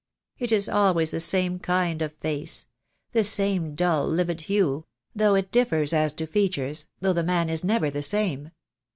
It is always the same kind of face — the same dull livid hue — though it differs as to features, though the man is never the same.